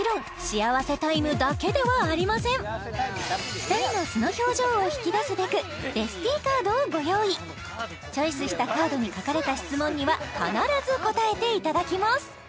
２人の素の表情を引き出すべくＢＥＳＴＩＥカードをご用意チョイスしたカードに書かれた質問には必ず答えていただきます